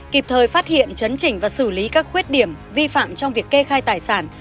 kịp thời phát hiện chấn chỉnh và xử lý các khuyết điểm vi phạm trong việc kê khai tài sản